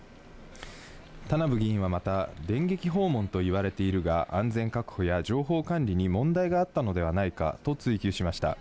田名部議員はまた、電撃訪問といわれているが、安全確保や情報管理に問題があったのではないかと追及しました。